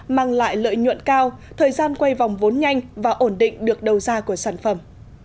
mang lại lợi nhuận cao thời gian quay vòng vốn nhanh và ổn định được đầu ra của sản phẩm